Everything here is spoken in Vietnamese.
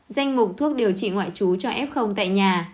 danh mục thuốc điều trị ngoại trú cho f tại nhà